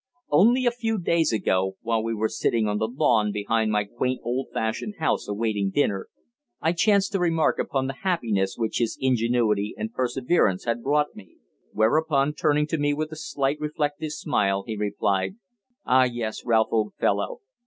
Only a few days ago, while we were sitting on the lawn behind my quaint old fashioned house awaiting dinner, I chanced to remark upon the happiness which his ingenuity and perseverance had brought me; whereupon, turning to me with a slight, reflective smile, he replied: "Ah, yes! Ralph, old fellow.